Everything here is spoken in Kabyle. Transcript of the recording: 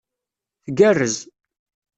Tgerrez.